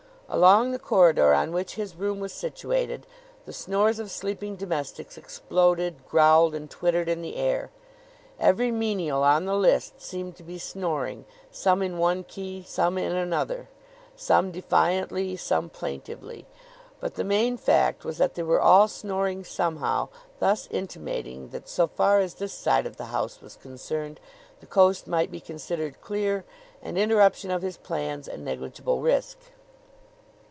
Along the corridor on which his room was situated the snores of sleeping domestics exploded, growled and twittered in the air. Every menial on the list seemed to be snoring, some in one key, some in another, some defiantly, some plaintively; but the main fact was that they were all snoring somehow, thus intimating that, so far as this side of the house was concerned, the coast might be considered clear and interruption of his plans a negligible risk.